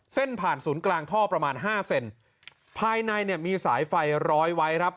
เส้นผ่านศูนย์กลางท่อประมาณห้าเซนภายในเนี่ยมีสายไฟร้อยไว้ครับ